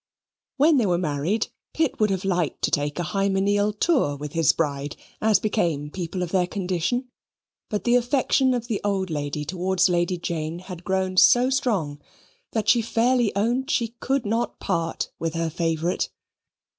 When they were married, Pitt would have liked to take a hymeneal tour with his bride, as became people of their condition. But the affection of the old lady towards Lady Jane had grown so strong, that she fairly owned she could not part with her favourite.